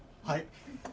はい。